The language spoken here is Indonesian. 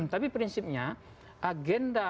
tapi prinsipnya agenda